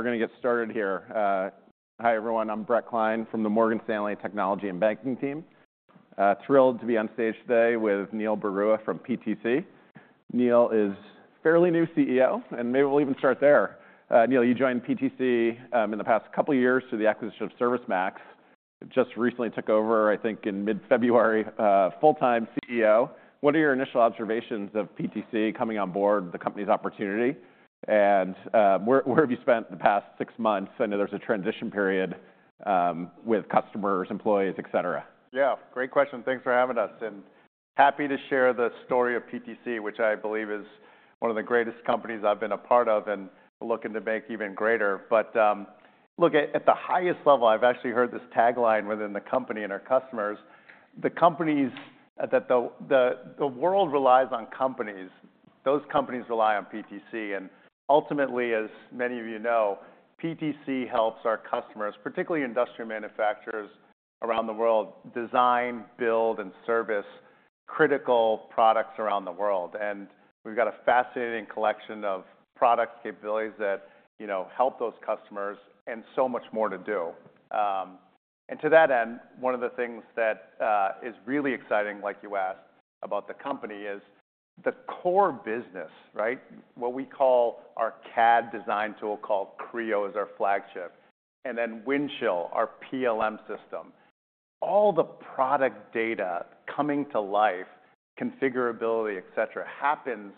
All right, we're going to get started here. Hi everyone, I'm Brett Klein from the Morgan Stanley Technology and Banking team. Thrilled to be on stage today with Neil Barua from PTC. Neil is fairly new CEO, and maybe we'll even start there. Neil, you joined PTC in the past couple of years through the acquisition of ServiceMax. It just recently took over, I think, in mid-February, full-time CEO. What are your initial observations of PTC coming on board, the company's opportunity, and where, where have you spent the past six months? I know there's a transition period with customers, employees, etc. Yeah, great question. Thanks for having us, and happy to share the story of PTC, which I believe is one of the greatest companies I've been a part of and looking to make even greater. But look, at the highest level, I've actually heard this tagline within the company and our customers: the companies that the world relies on, those companies rely on PTC. And ultimately, as many of you know, PTC helps our customers, particularly industry manufacturers around the world, design, build, and service critical products around the world. And we've got a fascinating collection of product capabilities that, you know, help those customers, and so much more to do. And to that end, one of the things that is really exciting, like you asked, about the company is the core business, right? What we call our CAD design tool called Creo is our flagship, and then Windchill, our PLM system. All the product data coming to life, configurability, etc., happens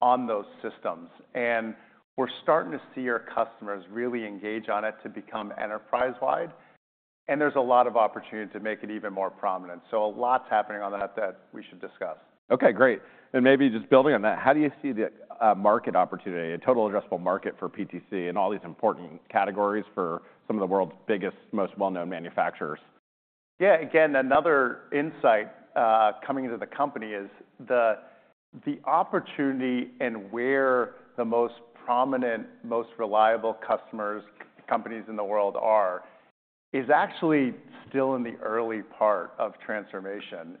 on those systems, and we're starting to see our customers really engage on it to become enterprise-wide. There's a lot of opportunity to make it even more prominent. A lot's happening on that that we should discuss. Okay, great. And maybe just building on that, how do you see the market opportunity, a total addressable market for PTC, and all these important categories for some of the world's biggest, most well-known manufacturers? Yeah, again, another insight coming into the company is the opportunity and where the most prominent, most reliable customer companies in the world are is actually still in the early part of transformation.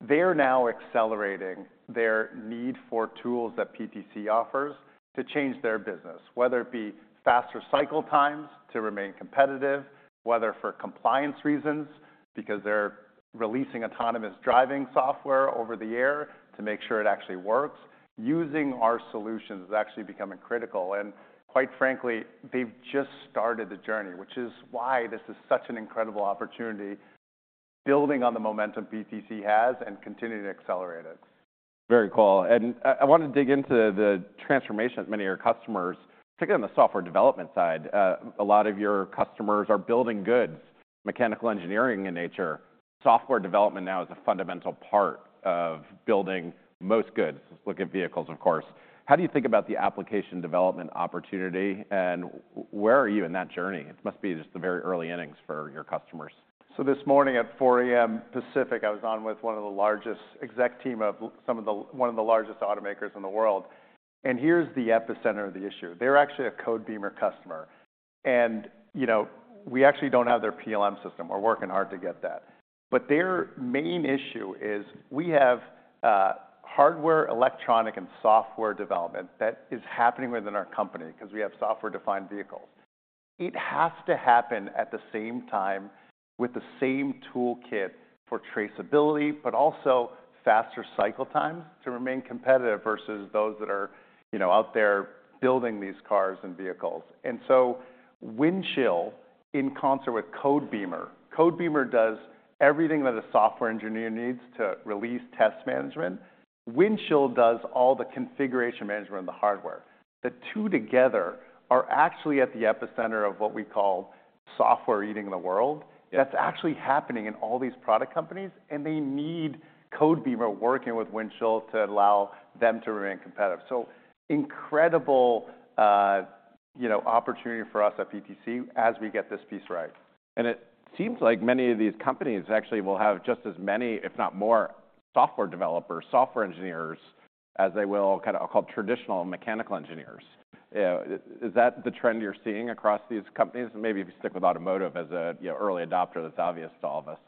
And they're now accelerating their need for tools that PTC offers to change their business, whether it be faster cycle times to remain competitive, whether for compliance reasons, because they're releasing autonomous driving software over the air to make sure it actually works. Using our solutions is actually becoming critical. And quite frankly, they've just started the journey, which is why this is such an incredible opportunity, building on the momentum PTC has and continuing to accelerate it. Very cool. I want to dig into the transformation that many of your customers, particularly on the software development side, are building goods, mechanical engineering in nature. Software development now is a fundamental part of building most goods. Let's look at vehicles, of course. How do you think about the application development opportunity, and where are you in that journey? It must be just the very early innings for your customers. So this morning at 4:00 A.M. Pacific, I was on with one of the largest exec team of some of the one of the largest automakers in the world. And here's the epicenter of the issue. They're actually a Codebeamer customer. And, you know, we actually don't have their PLM system. We're working hard to get that. But their main issue is we have hardware, electronic, and software development that is happening within our company because we have software-defined vehicles. It has to happen at the same time with the same toolkit for traceability, but also faster cycle times to remain competitive versus those that are, you know, out there building these cars and vehicles. And so Windchill, in concert with Codebeamer, Codebeamer does everything that a software engineer needs to release test management. Windchill does all the configuration management of the hardware. The two together are actually at the epicenter of what we call software eating the world. Yeah. That's actually happening in all these product companies, and they need Codebeamer working with Windchill to allow them to remain competitive. So incredible, you know, opportunity for us at PTC as we get this piece right. It seems like many of these companies actually will have just as many, if not more, software developers, software engineers, as they will kind of I'll call traditional mechanical engineers. Is that the trend you're seeing across these companies? And maybe if you stick with automotive as a, you know, early adopter, that's obvious to all of us.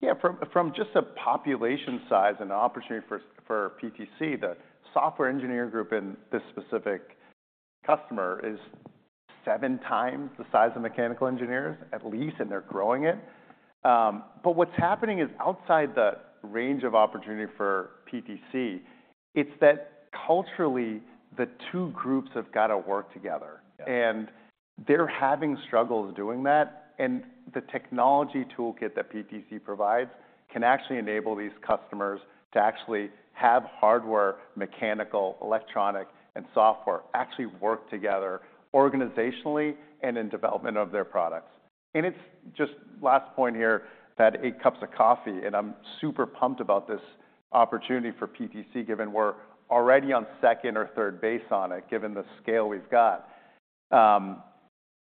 Yeah, from just a population size and opportunity for PTC, the software engineer group in this specific customer is seven times the size of mechanical engineers, at least, and they're growing it. But what's happening is outside the range of opportunity for PTC. It's that culturally, the two groups have got to work together. Yeah. They're having struggles doing that. The technology toolkit that PTC provides can actually enable these customers to actually have hardware, mechanical, electronic, and software actually work together organizationally and in development of their products. It's just last point here, that eight cups of coffee, and I'm super pumped about this opportunity for PTC, given we're already on second or third base on it, given the scale we've got.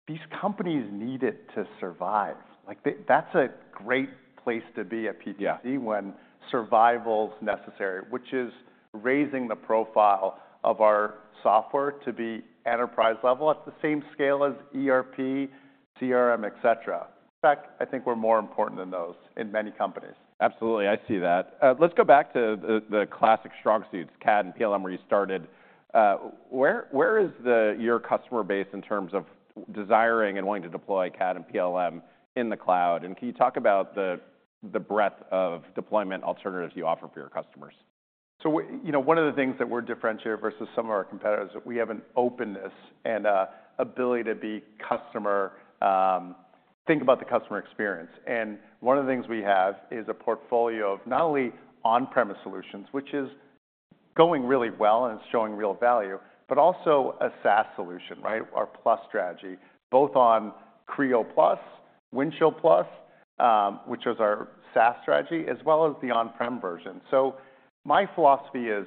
These companies need it to survive. Like, that's a great place to be at PTC. Yeah. When survival's necessary, which is raising the profile of our software to be enterprise-level at the same scale as ERP, CRM, etc. In fact, I think we're more important than those in many companies. Absolutely. I see that. Let's go back to the classic strong suits, CAD and PLM, where you started. Where is your customer base in terms of desiring and wanting to deploy CAD and PLM in the cloud? And can you talk about the breadth of deployment alternatives you offer for your customers? So, you know, one of the things that we're differentiated versus some of our competitors is that we have an openness and an ability to be customer, think about the customer experience. And one of the things we have is a portfolio of not only on-premise solutions, which is going really well and it's showing real value, but also a SaaS solution, right, our Plus strategy, both on Creo Plus, Windchill Plus, which was our SaaS strategy, as well as the on-prem version. So my philosophy is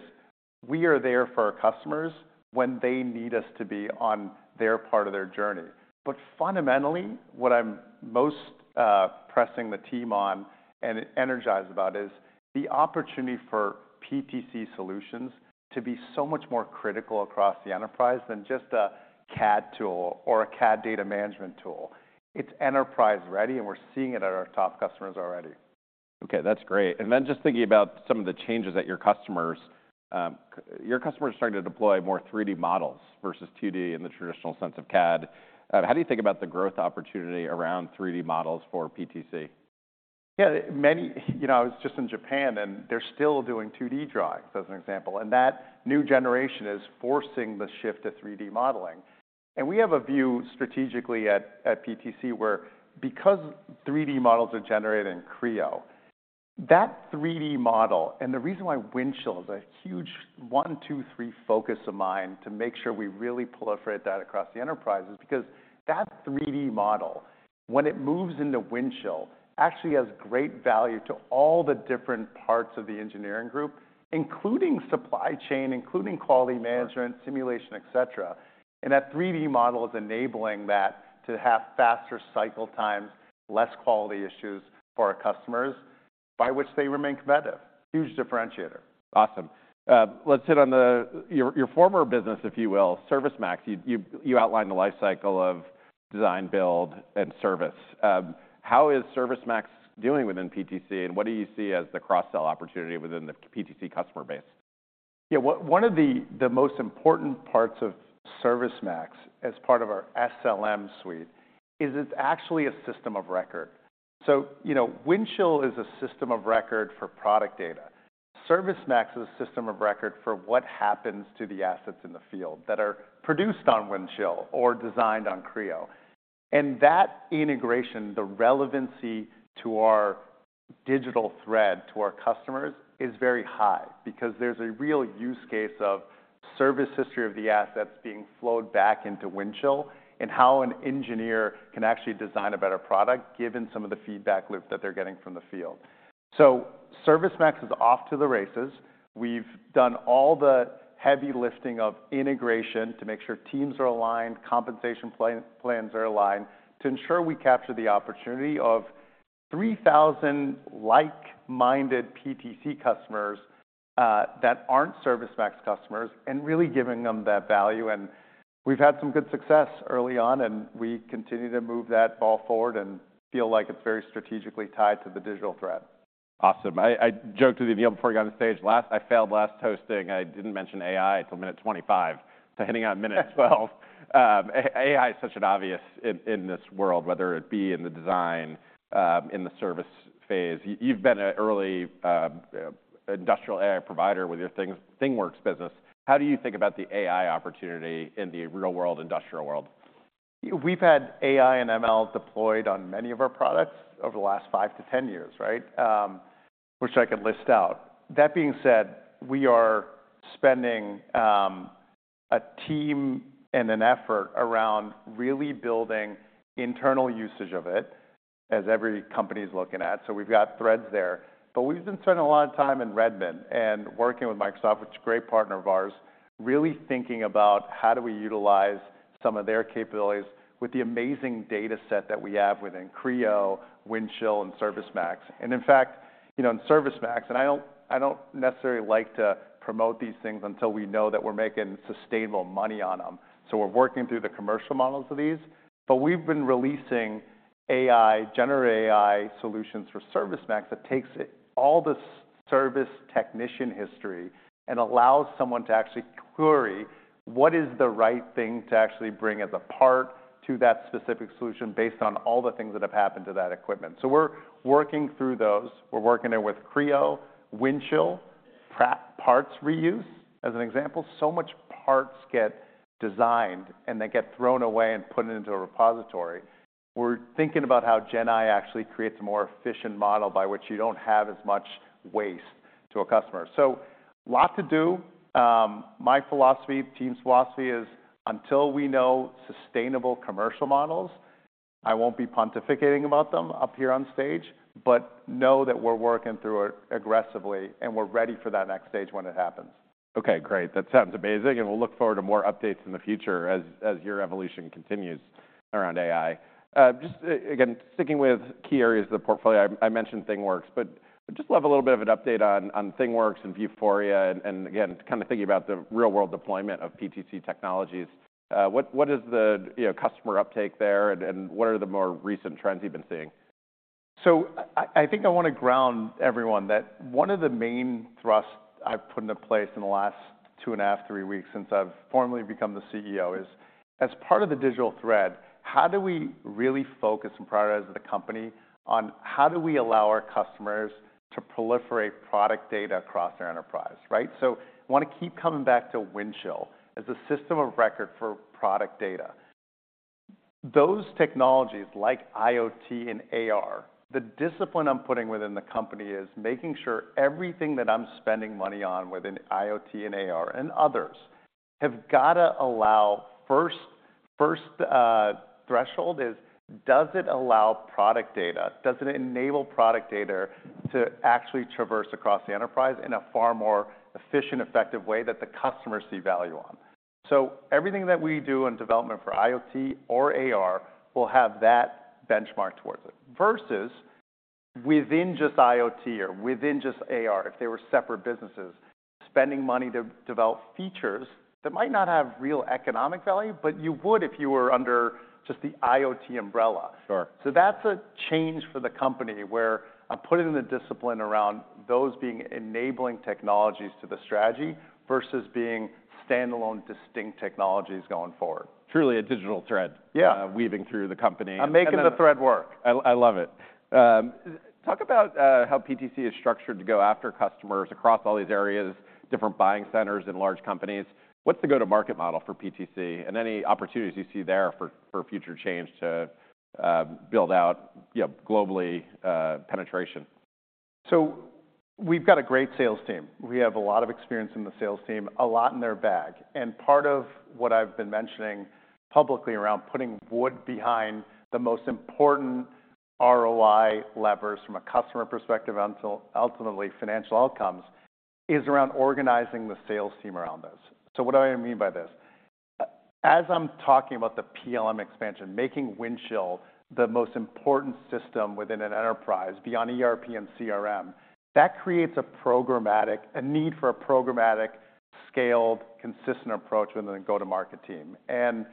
we are there for our customers when they need us to be on their part of their journey. But fundamentally, what I'm most pressing the team on and energized about is the opportunity for PTC solutions to be so much more critical across the enterprise than just a CAD tool or a CAD data management tool. It's enterprise-ready, and we're seeing it at our top customers already. Okay, that's great. And then just thinking about some of the changes that your customers are starting to deploy more 3D models versus 2D in the traditional sense of CAD. How do you think about the growth opportunity around 3D models for PTC? Yeah, many, you know, I was just in Japan, and they're still doing 2D drawings, as an example. And that new generation is forcing the shift to 3D modeling. And we have a view strategically at PTC where, because 3D models are generated in Creo, that 3D model and the reason why Windchill is a huge one, two, three focus of mine to make sure we really proliferate that across the enterprise is because that 3D model, when it moves into Windchill, actually has great value to all the different parts of the engineering group, including supply chain, including quality management, simulation, etc. And that 3D model is enabling that to have faster cycle times, less quality issues for our customers, by which they remain competitive. Huge differentiator. Awesome. Let's hit on your former business, if you will, ServiceMax. You outlined the lifecycle of design, build, and service. How is ServiceMax doing within PTC, and what do you see as the cross-sell opportunity within the PTC customer base? Yeah, one of the most important parts of ServiceMax as part of our SLM suite is it's actually a system of record. So, you know, Windchill is a system of record for product data. ServiceMax is a system of record for what happens to the assets in the field that are produced on Windchill or designed on Creo. And that integration, the relevancy to our digital thread to our customers, is very high because there's a real use case of service history of the assets being flowed back into Windchill and how an engineer can actually design a better product given some of the feedback loop that they're getting from the field. So ServiceMax is off to the races. We've done all the heavy lifting of integration to make sure teams are aligned, compensation plans are aligned, to ensure we capture the opportunity of 3,000 like-minded PTC customers, that aren't ServiceMax customers, and really giving them that value. We've had some good success early on, and we continue to move that ball forward and feel like it's very strategically tied to the digital thread. Awesome. I joked with you, Neil, before you got on stage last. I failed last toasting. I didn't mention AI till minute 25, so hitting on minute 12. AI is such an obvious in this world, whether it be in the design, in the service phase. You've been an early industrial AI provider with your ThingWorks business. How do you think about the AI opportunity in the real-world, industrial world? We've had AI and ML deployed on many of our products over the last 5-10 years, right, which I could list out. That being said, we are spending a team and an effort around really building internal usage of it, as every company's looking at. So we've got threads there. But we've been spending a lot of time in Redmond and working with Microsoft, which is a great partner of ours, really thinking about how do we utilize some of their capabilities with the amazing data set that we have within Creo, Windchill, and ServiceMax. And in fact, you know, in ServiceMax and I don't necessarily like to promote these things until we know that we're making sustainable money on them. So we're working through the commercial models of these. But we've been releasing AI, generative AI solutions for ServiceMax that takes all the service technician history and allows someone to actually query what is the right thing to actually bring as a part to that specific solution based on all the things that have happened to that equipment. So we're working through those. We're working it with Creo, Windchill, part reuse, as an example. So much parts get designed, and they get thrown away and put into a repository. We're thinking about how GenAI actually creates a more efficient model by which you don't have as much waste to a customer. So lot to do. My philosophy, team's philosophy, is until we know sustainable commercial models, I won't be pontificating about them up here on stage, but know that we're working through it aggressively, and we're ready for that next stage when it happens. Okay, great. That sounds amazing. And we'll look forward to more updates in the future as your evolution continues around AI. Just again, sticking with key areas of the portfolio, I mentioned ThingWorks, but I'd just love a little bit of an update on ThingWorks and Vuforia and again, kind of thinking about the real-world deployment of PTC technologies. What is the, you know, customer uptake there, and what are the more recent trends you've been seeing? So I, I think I want to ground everyone that one of the main thrusts I've put into place in the last 2.5-3 weeks since I've formally become the CEO is, as part of the digital thread, how do we really focus and prioritize as a company on how do we allow our customers to proliferate product data across their enterprise, right? So I want to keep coming back to Windchill as a system of record for product data. Those technologies, like IoT and AR, the discipline I'm putting within the company is making sure everything that I'm spending money on within IoT and AR and others have got to allow first, first, threshold is, does it allow product data? Does it enable product data to actually traverse across the enterprise in a far more efficient, effective way that the customers see value on? So, everything that we do in development for IoT or AR will have that benchmark toward it versus within just IoT or within just AR, if they were separate businesses, spending money to develop features that might not have real economic value, but you would if you were under just the IoT umbrella. Sure. That's a change for the company where I'm putting in the discipline around those being enabling technologies to the strategy versus being standalone, distinct technologies going forward. Truly a digital thread. Yeah. weaving through the company. I'm making the thread work. I love it. Talk about how PTC is structured to go after customers across all these areas, different buying centers in large companies. What's the go-to-market model for PTC and any opportunities you see there for future change to build out, you know, globally, penetration? So we've got a great sales team. We have a lot of experience in the sales team, a lot in their bag. And part of what I've been mentioning publicly around putting wood behind the most important ROI levers from a customer perspective until ultimately financial outcomes is around organizing the sales team around those. So what do I mean by this? As I'm talking about the PLM expansion, making Windchill the most important system within an enterprise beyond ERP and CRM, that creates a programmatic a need for a programmatic, scaled, consistent approach within the go-to-market team. And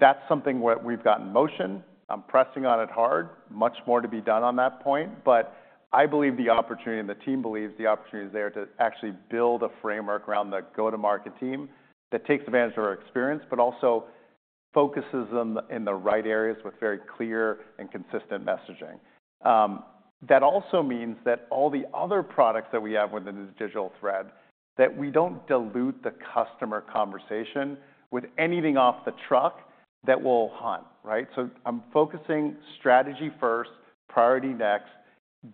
that's something where we've got in motion. I'm pressing on it hard. Much more to be done on that point. But I believe the opportunity and the team believes the opportunity is there to actually build a framework around the go-to-market team that takes advantage of our experience but also focuses on the in the right areas with very clear and consistent messaging. That also means that all the other products that we have within the digital thread, that we don't dilute the customer conversation with anything off the truck that will hunt, right? So I'm focusing strategy first, priority next,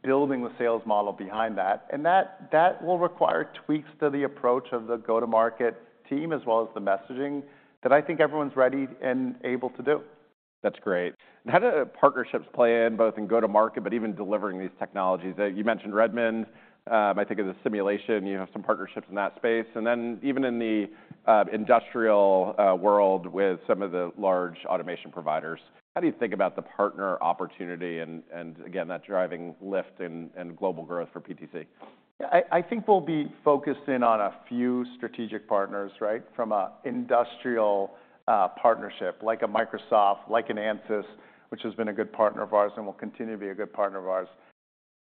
building the sales model behind that. And that, that will require tweaks to the approach of the go-to-market team as well as the messaging that I think everyone's ready and able to do. That's great. And how do partnerships play in both go-to-market but even delivering these technologies? You mentioned Redmond. I think of the simulation. You have some partnerships in that space. And then even in the industrial world with some of the large automation providers, how do you think about the partner opportunity and again, that driving lift and global growth for PTC? Yeah, I think we'll be focused in on a few strategic partners, right, from an industrial partnership like Microsoft, like Ansys, which has been a good partner of ours and will continue to be a good partner of ours.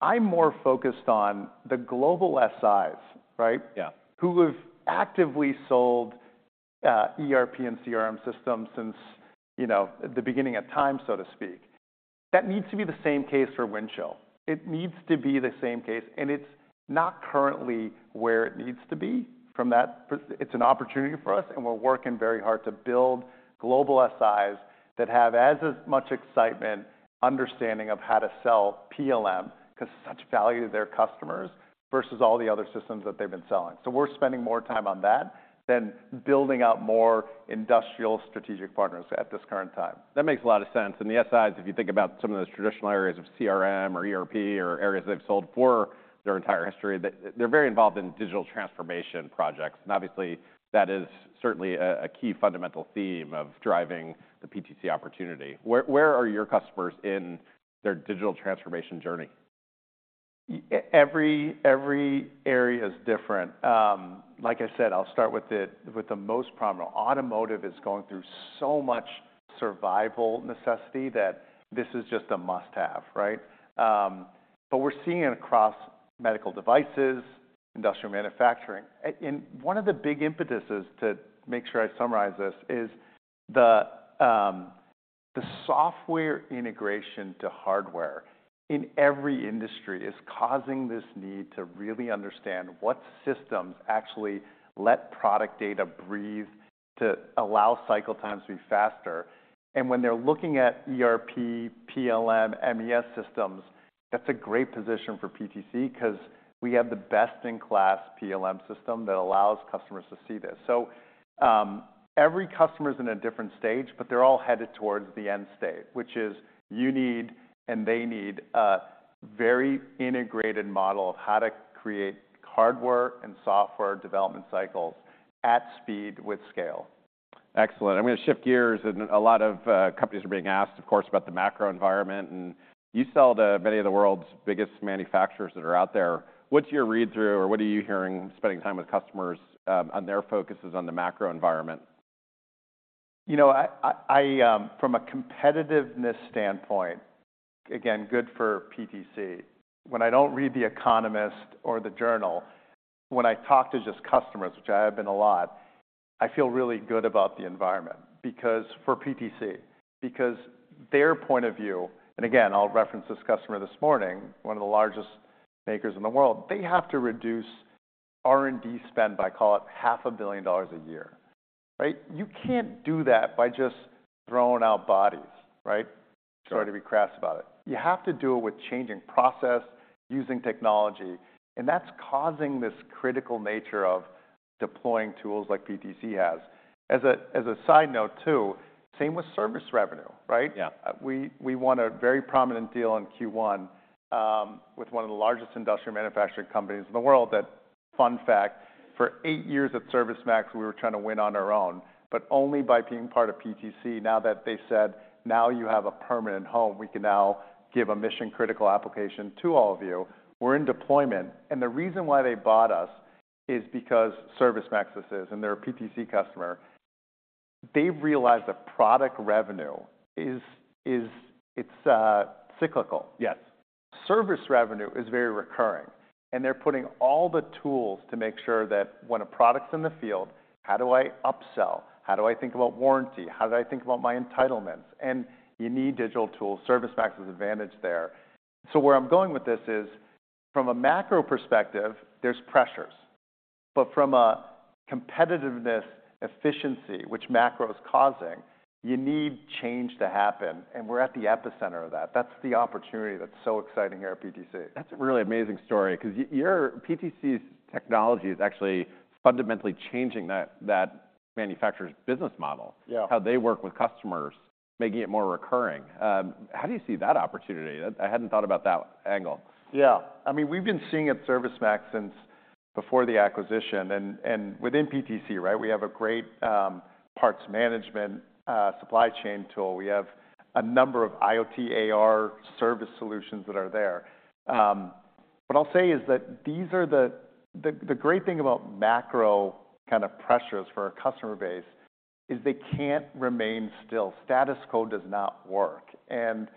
I'm more focused on the global SIs, right? Yeah. Who have actively sold ERP and CRM systems since, you know, the beginning of time, so to speak. That needs to be the same case for Windchill. It needs to be the same case. And it's not currently where it needs to be from that perspective. It's an opportunity for us, and we're working very hard to build global SIs that have as much excitement, understanding of how to sell PLM because it's such value to their customers versus all the other systems that they've been selling. So we're spending more time on that than building out more industrial strategic partners at this current time. That makes a lot of sense. And the SIs, if you think about some of those traditional areas of CRM or ERP or areas they've sold for their entire history, that they're very involved in digital transformation projects. And obviously, that is certainly a key fundamental theme of driving the PTC opportunity. Where are your customers in their digital transformation journey? Every area is different. Like I said, I'll start with the most prominent. Automotive is going through so much survival necessity that this is just a must-have, right? But we're seeing it across medical devices, industrial manufacturing. And one of the big impetuses to make sure I summarize this is the software integration to hardware in every industry is causing this need to really understand what systems actually let product data breathe to allow cycle times to be faster. And when they're looking at ERP, PLM, MES systems, that's a great position for PTC because we have the best-in-class PLM system that allows customers to see this. So, every customer's in a different stage, but they're all headed towards the end state, which is you need and they need a very integrated model of how to create hardware and software development cycles at speed with scale. Excellent. I'm going to shift gears. A lot of companies are being asked, of course, about the macro environment. You sell to many of the world's biggest manufacturers that are out there. What's your read-through or what are you hearing, spending time with customers, on their focuses on the macro environment? You know, I from a competitiveness standpoint, again, good for PTC. When I don't read The Economist or The Journal, when I talk to just customers, which I have been a lot, I feel really good about the environment because for PTC, because their point of view and again, I'll reference this customer this morning, one of the largest makers in the world, they have to reduce R&D spend by, call it, $500 million a year, right? You can't do that by just throwing out bodies, right, sorry to be crass about it. You have to do it with changing process, using technology. And that's causing this critical nature of deploying tools like PTC has. As a side note too, same with service revenue, right? Yeah. We won a very prominent deal in Q1 with one of the largest industrial manufacturing companies in the world. That fun fact, for eight years at ServiceMax, we were trying to win on our own, but only by being part of PTC. Now that they said, "Now you have a permanent home. We can now give a mission-critical application to all of you. We're in deployment." And the reason why they bought us is because ServiceMax is and they're a PTC customer. They've realized that product revenue is, it's cyclical. Yes. Service revenue is very recurring. They're putting all the tools to make sure that when a product's in the field, how do I upsell? How do I think about warranty? How do I think about my entitlements? You need digital tools. ServiceMax has advantage there. Where I'm going with this is, from a macro perspective, there's pressures. From a competitiveness efficiency, which macro is causing, you need change to happen. We're at the epicenter of that. That's the opportunity that's so exciting here at PTC. That's a really amazing story because your PTC's technology is actually fundamentally changing that manufacturer's business model. Yeah. How they work with customers, making it more recurring. How do you see that opportunity? That I hadn't thought about that angle. Yeah. I mean, we've been seeing it at ServiceMax since before the acquisition. And, and within PTC, right, we have a great parts management, supply chain tool. We have a number of IoT, AR service solutions that are there. What I'll say is that these are the, the, the great thing about macro kind of pressures for our customer base is they can't remain still. Status quo does not work. And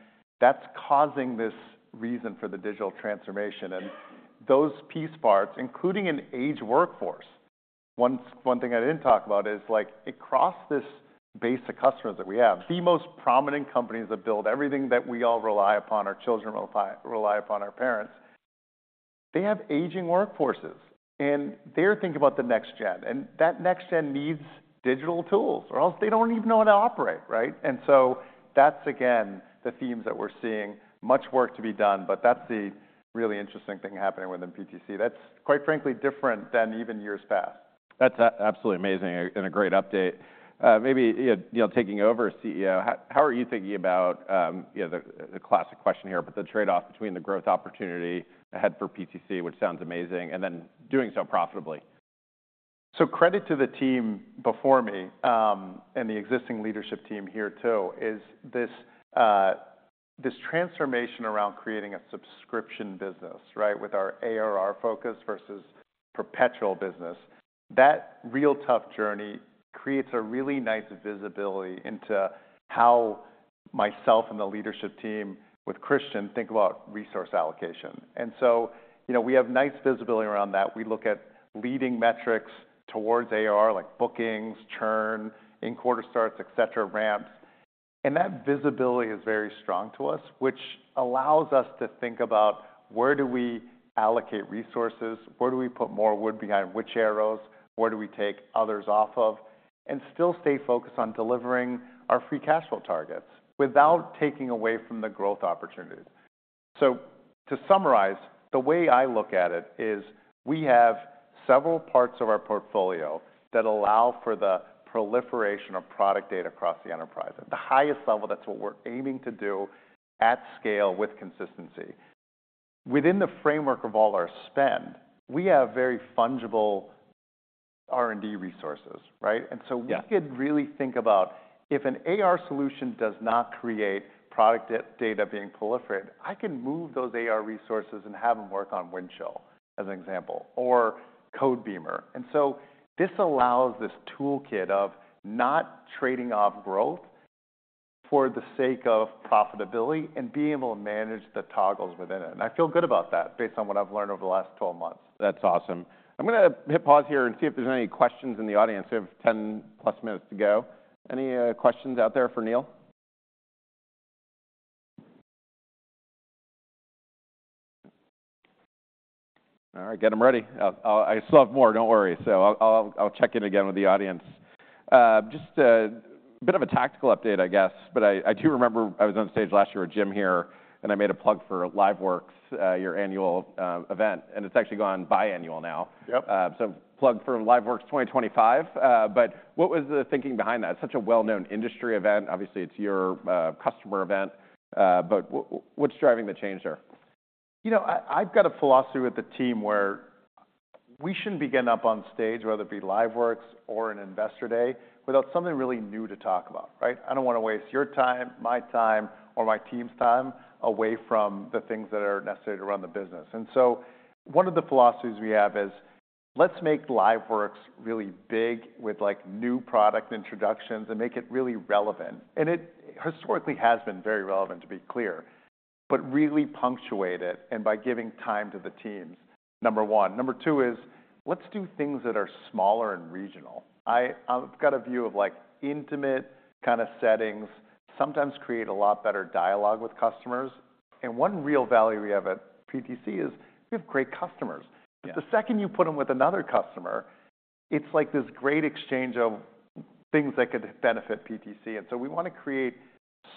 that's causing this reason for the digital transformation. And those piece parts, including an aged workforce, once, one thing I didn't talk about is, like, across this base of customers that we have, the most prominent companies that build everything that we all rely upon, our children rely upon our parents, they have aging workforces. And they're thinking about the next gen. And that next gen needs digital tools or else they don't even know how to operate, right? And so that's, again, the themes that we're seeing. Much work to be done, but that's the really interesting thing happening within PTC. That's, quite frankly, different than even years past. That's absolutely amazing and a great update. Maybe, you know, taking over as CEO, how are you thinking about, you know, the classic question here, but the trade-off between the growth opportunity ahead for PTC, which sounds amazing, and then doing so profitably? So credit to the team before me, and the existing leadership team here too, is this, this transformation around creating a subscription business, right, with our ARR focus versus perpetual business. That real tough journey creates a really nice visibility into how myself and the leadership team with Christian think about resource allocation. And so, you know, we have nice visibility around that. We look at leading metrics towards ARR, like bookings, churn, in-quarter starts, etc., ramps. And that visibility is very strong to us, which allows us to think about where do we allocate resources? Where do we put more wood behind which arrows? Where do we take others off of? And still stay focused on delivering our free cash flow targets without taking away from the growth opportunities. So to summarize, the way I look at it is we have several parts of our portfolio that allow for the proliferation of product data across the enterprise. At the highest level, that's what we're aiming to do at scale with consistency. Within the framework of all our spend, we have very fungible R&D resources, right? And so we could really think about if an AR solution does not create product data being proliferated, I can move those AR resources and have them work on Windchill, as an example, or Codebeamer. And so this allows this toolkit of not trading off growth for the sake of profitability and being able to manage the toggles within it. And I feel good about that based on what I've learned over the last 12 months. That's awesome. I'm going to hit pause here and see if there's any questions in the audience. We have 10+ minutes to go. Any questions out there for Neil? All right. Get them ready. I'll check in more. Don't worry. So I'll check in again with the audience. Just a bit of a tactical update, I guess. But I do remember I was on stage last year with Jim here, and I made a plug for LiveWorx, your annual event. And it's actually gone biannual now. Yep. So plug for LiveWorx 2025. But what was the thinking behind that? It's such a well-known industry event. Obviously, it's your customer event. But what's driving the change there? You know, I've got a philosophy with the team where we shouldn't begin up on stage, whether it be LiveWorx or an Investor Day, without something really new to talk about, right? I don't want to waste your time, my time, or my team's time away from the things that are necessary to run the business. And so one of the philosophies we have is let's make LiveWorx really big with, like, new product introductions and make it really relevant. And it historically has been very relevant, to be clear, but really punctuate it and by giving time to the teams, number one. Number two is let's do things that are smaller and regional. I've got a view of, like, intimate kind of settings, sometimes create a lot better dialogue with customers. And one real value we have at PTC is we have great customers. But the second you put them with another customer, it's like this great exchange of things that could benefit PTC. And so we want to create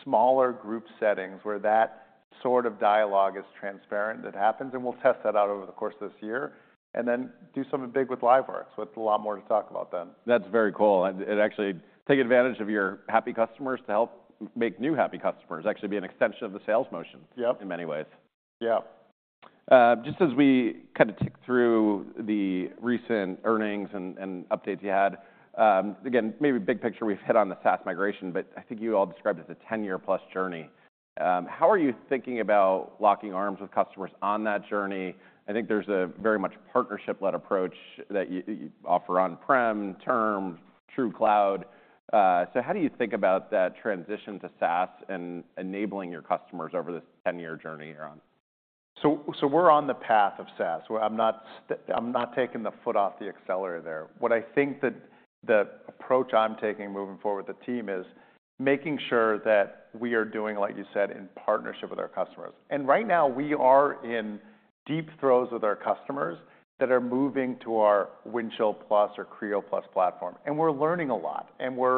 smaller group settings where that sort of dialogue is transparent that happens. And we'll test that out over the course of this year and then do something big with LiveWorx with a lot more to talk about then. That's very cool. It actually take advantage of your happy customers to help make new happy customers actually be an extension of the sales motion. Yep. In many ways. Yep. Just as we kind of tick through the recent earnings and updates you had, again, maybe big picture, we've hit on the SaaS migration, but I think you all described it as a 10-year-plus journey. How are you thinking about locking arms with customers on that journey? I think there's a very much partnership-led approach that you offer on-prem, term, true cloud. So how do you think about that transition to SaaS and enabling your customers over this 10-year journey you're on? So, we're on the path of SaaS. Well, I'm not taking the foot off the accelerator there. What I think that the approach I'm taking moving forward with the team is making sure that we are doing, like you said, in partnership with our customers. And right now, we are in deep throes with our customers that are moving to our Windchill Plus or Creo Plus platform. And we're learning a lot. And we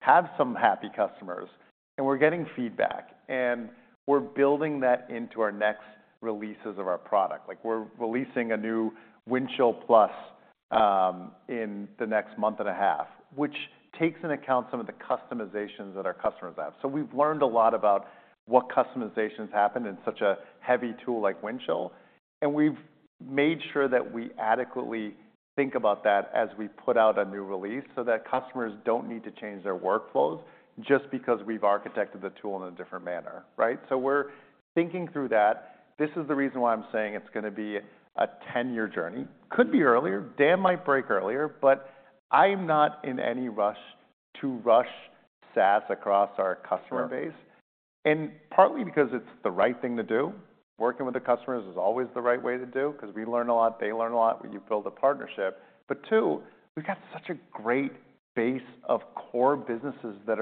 have some happy customers. And we're getting feedback. And we're building that into our next releases of our product. Like, we're releasing a new Windchill Plus, in the next month and a half, which takes into account some of the customizations that our customers have. So we've learned a lot about what customizations happen in such a heavy tool like Windchill. And we've made sure that we adequately think about that as we put out a new release so that customers don't need to change their workflows just because we've architected the tool in a different manner, right? So we're thinking through that. This is the reason why I'm saying it's going to be a 10-year journey. Could be earlier. Damn might break earlier. But I'm not in any rush to rush SaaS across our customer base. And partly because it's the right thing to do. Working with the customers is always the right way to do because we learn a lot. They learn a lot. You build a partnership. But two, we've got such a great base of core businesses that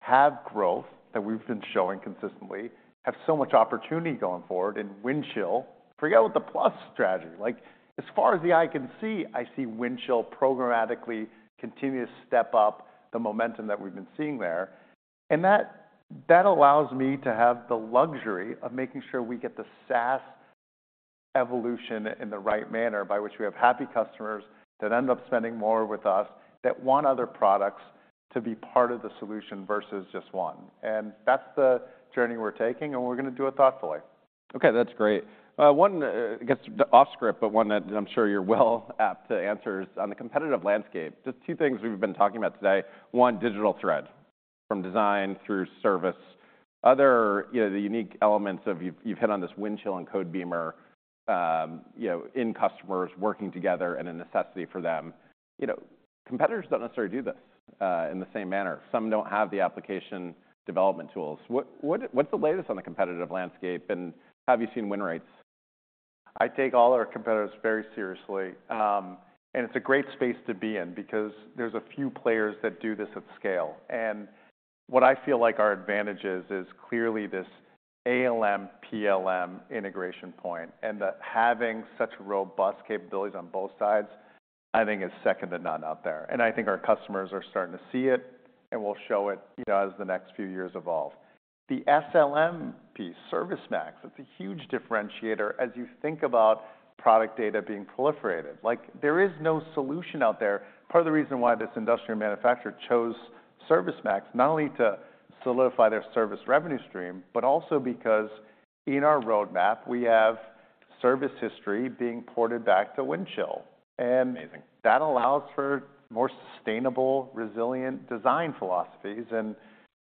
have growth that we've been showing consistently, have so much opportunity going forward. And Windchill, forget about the Plus strategy. Like, as far as the eye can see, I see Windchill programmatically continue to step up the momentum that we've been seeing there. And that, that allows me to have the luxury of making sure we get the SaaS evolution in the right manner by which we have happy customers that end up spending more with us that want other products to be part of the solution versus just one. And that's the journey we're taking. And we're going to do it thoughtfully. Okay. That's great. One, I guess off-script, but one that I'm sure you're well apt to answer is on the competitive landscape. Just two things we've been talking about today. One, digital thread from design through service. Other, you know, the unique elements of you've, you've hit on this Windchill and Codebeamer, you know, in customers working together and a necessity for them. You know, competitors don't necessarily do this in the same manner. Some don't have the application development tools. What's the latest on the competitive landscape? And have you seen win rates? I take all our competitors very seriously. And it's a great space to be in because there's a few players that do this at scale. And what I feel like our advantage is, is clearly this ALM, PLM integration point. And the having such robust capabilities on both sides, I think, is second to none out there. And I think our customers are starting to see it. And we'll show it, you know, as the next few years evolve. The SLM piece, ServiceMax, it's a huge differentiator as you think about product data being proliferated. Like, there is no solution out there. Part of the reason why this industrial manufacturer chose ServiceMax not only to solidify their service revenue stream, but also because in our roadmap, we have service history being ported back to Windchill. And that allows for more sustainable, resilient design philosophies. And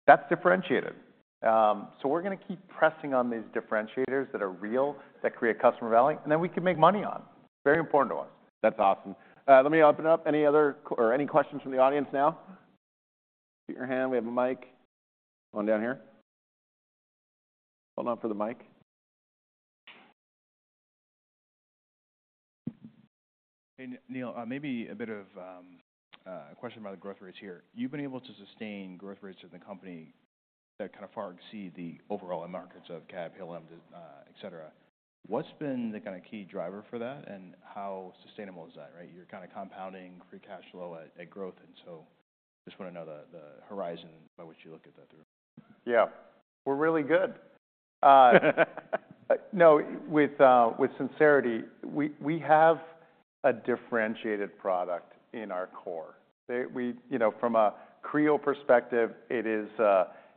that's differentiated. We're going to keep pressing on these differentiators that are real, that create customer value, and then we can make money on. Very important to us. That's awesome. Let me open up. Any other or any questions from the audience now? Put your hand. We have a mic going down here. Hold on for the mic. Hey, Neil. Maybe a bit of a question about the growth rates here. You've been able to sustain growth rates at the company that kind of far exceed the overall markets of CAD, PLM, etc. What's been the kind of key driver for that? And how sustainable is that, right? You're kind of compounding free cash flow at growth. And so just want to know the horizon by which you look at that through. Yeah. We're really good. With sincerity, we have a differentiated product in our core. We, you know, from a Creo perspective, there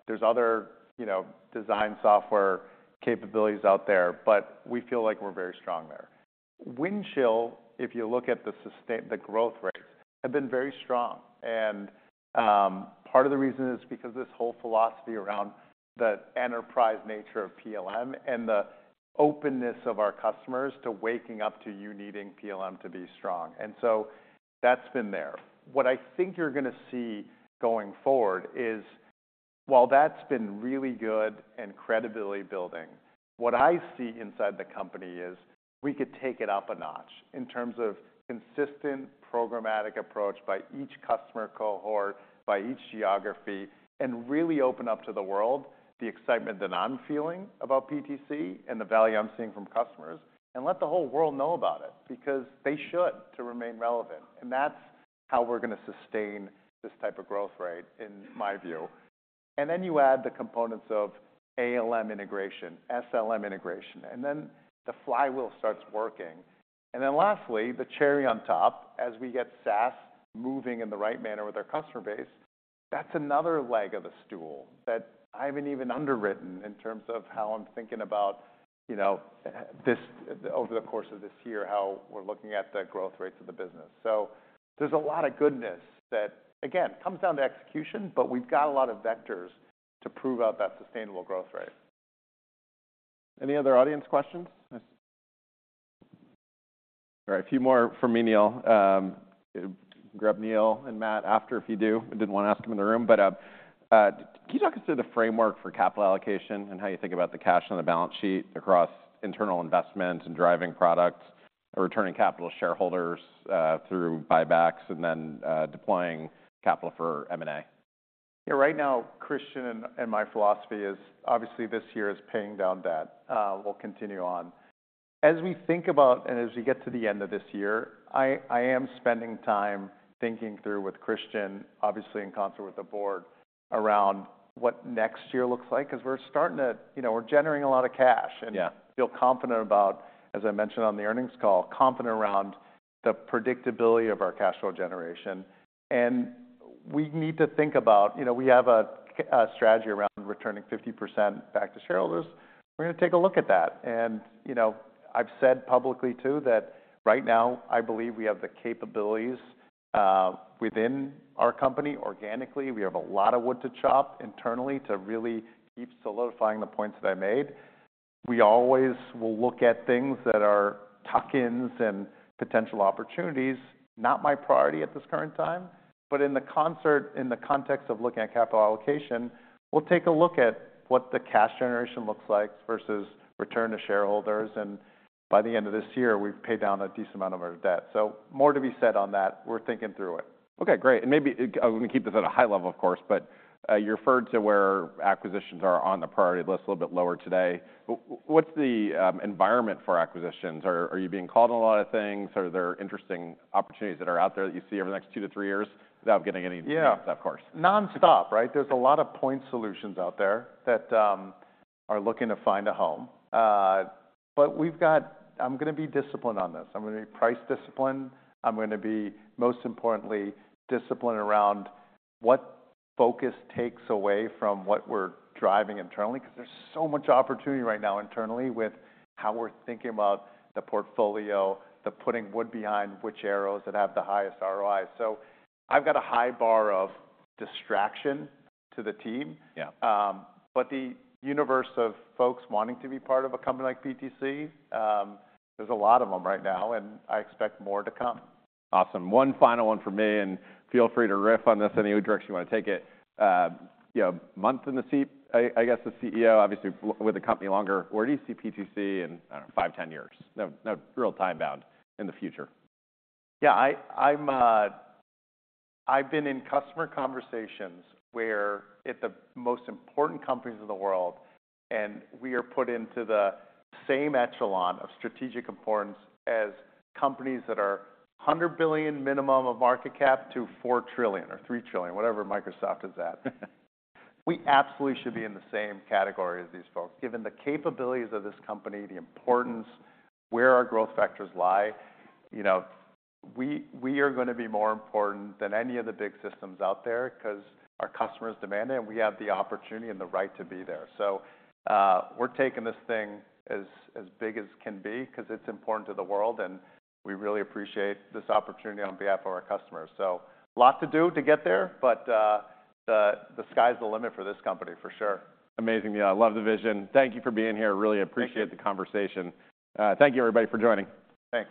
are other, you know, design software capabilities out there, but we feel like we're very strong there. Windchill, if you look at the sustained growth rates, has been very strong. Part of the reason is because this whole philosophy around the enterprise nature of PLM and the openness of our customers to waking up to you needing PLM to be strong. So that's been there. What I think you're going to see going forward is while that's been really good and credibility building, what I see inside the company is we could take it up a notch in terms of consistent programmatic approach by each customer cohort, by each geography, and really open up to the world the excitement that I'm feeling about PTC and the value I'm seeing from customers and let the whole world know about it because they should to remain relevant. That's how we're going to sustain this type of growth rate, in my view. Then you add the components of ALM integration, SLM integration, and then the flywheel starts working. And then lastly, the cherry on top, as we get SaaS moving in the right manner with our customer base, that's another leg of the stool that I haven't even underwritten in terms of how I'm thinking about, you know, this over the course of this year, how we're looking at the growth rates of the business. So there's a lot of goodness that, again, comes down to execution, but we've got a lot of vectors to prove out that sustainable growth rate. Any other audience questions? All right. A few more from me, Neil. Grab Neil and Matt after if you do. I didn't want to ask them in the room. But can you talk us through the framework for capital allocation and how you think about the cash on the balance sheet across internal investment and driving products, returning capital to shareholders, through buybacks, and then deploying capital for M&A? Yeah. Right now, Christian and my philosophy is obviously this year is paying down debt. We'll continue on. As we think about and as we get to the end of this year, I am spending time thinking through with Christian, obviously in concert with the board, around what next year looks like because we're starting to, you know, we're generating a lot of cash and feel confident about, as I mentioned on the earnings call, confident around the predictability of our cash flow generation. And we need to think about, you know, we have a strategy around returning 50% back to shareholders. We're going to take a look at that. And, you know, I've said publicly, too, that right now, I believe we have the capabilities, within our company organically. We have a lot of wood to chop internally to really keep solidifying the points that I made. We always will look at things that are tuck-ins and potential opportunities, not my priority at this current time, but in the context of looking at capital allocation, we'll take a look at what the cash generation looks like versus return to shareholders. And by the end of this year, we've paid down a decent amount of our debt. So more to be said on that. We're thinking through it. Okay. Great. And maybe I'm going to keep this at a high level, of course, but you referred to where acquisitions are on the priority list a little bit lower today. What's the environment for acquisitions? Are you being called on a lot of things? Are there interesting opportunities that are out there that you see over the next 2-3 years without getting any deals, of course? Yeah. Nonstop, right? There's a lot of point solutions out there that are looking to find a home. But we've got. I'm going to be disciplined on this. I'm going to be price disciplined. I'm going to be, most importantly, disciplined around what focus takes away from what we're driving internally because there's so much opportunity right now internally with how we're thinking about the portfolio, the putting wood behind which arrows that have the highest ROI. So I've got a high bar of distraction to the team. Yeah, but the universe of folks wanting to be part of a company like PTC, there's a lot of them right now. And I expect more to come. Awesome. One final one for me. Feel free to riff on this in any direction you want to take it. You know, month in the seat, I, I guess, as CEO, obviously with the company longer, where do you see PTC in, I don't know, five, 10 years? No, no real time-bound in the future. Yeah. I've been in customer conversations where at the most important companies in the world, and we are put into the same echelon of strategic importance as companies that are $100 billion minimum of market cap to $4 trillion or $3 trillion, whatever Microsoft is at. We absolutely should be in the same category as these folks, given the capabilities of this company, the importance, where our growth factors lie. You know, we are going to be more important than any of the big systems out there because our customers demand it, and we have the opportunity and the right to be there. So, we're taking this thing as big as can be because it's important to the world. And we really appreciate this opportunity on behalf of our customers. So a lot to do to get there. But, the sky's the limit for this company, for sure. Amazing. Yeah. I love the vision. Thank you for being here. Really appreciate the conversation. Thank you, everybody, for joining. Thanks.